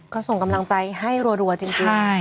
ก็ส่งกำลังใจให้รัวจริง